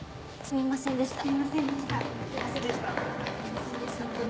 すみませんでした。